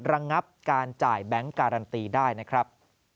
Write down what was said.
ระงับการจ่ายแบงค์การันตีได้นะครับ